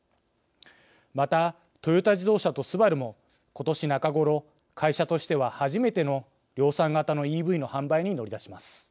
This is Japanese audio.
また、トヨタ自動車とＳＵＢＡＲＵも、ことし中頃会社としては初めての量産型のＥＶの販売に乗り出します。